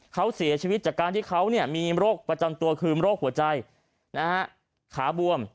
เขาเสียชีวิตจากการที่เขามีโรคประจำตัวคือโรคหัวใจขาบวม